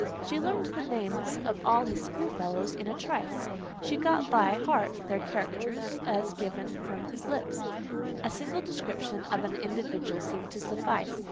She learned the names of all his schoolfellows in a trice: she got by heart their characters as given from his lips: a single description of an individual seemed to suffice.